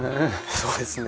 そうですね。